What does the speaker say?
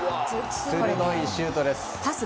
鋭いシュートです。